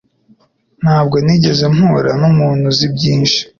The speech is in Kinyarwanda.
Ntabwo nigeze mpura numuntu uzi byinshi